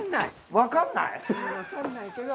分かんないけど。